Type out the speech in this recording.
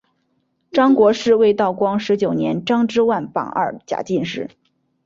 张国士为道光十九年张之万榜二甲进士。